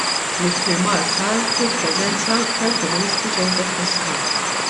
L-iffirmar sar fil-preżenza tal-Prim Ministru Joseph Muscat.